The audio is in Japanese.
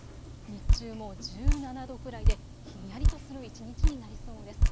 日中も１７度くらいでひんやりとする一日になりそうです。